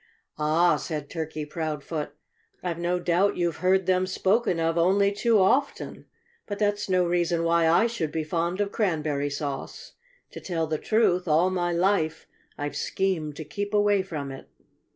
"Ah!" said Turkey Proudfoot. "I've no doubt you've heard them spoken of only too often. But that's no reason why I should be fond of cranberry sauce. To tell the truth, all my life I've schemed to keep away from it."